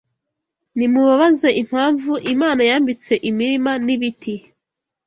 nimubabaze impamvu Imana yambitse imirima n’ibiti